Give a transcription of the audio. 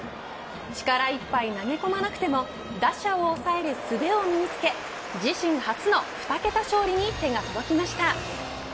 力いっぱい投げ込まなくても打者を抑えるすべを身に付け自身初の２桁勝利に手が届きました。